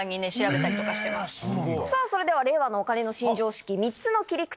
それでは令和のお金の新常識３つの切り口